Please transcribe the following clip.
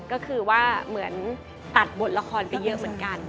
ก็คือว่าเหมือนตัดบทละครไปเยอะเหมือนกัน